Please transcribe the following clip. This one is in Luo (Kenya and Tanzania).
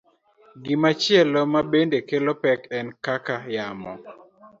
Gimachielo mabende kelo pek en kaka yamo